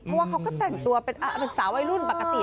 เพราะว่าเขาก็แต่งตัวเป็นสาววัยรุ่นปกติ